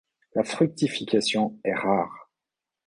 La fructification est rare.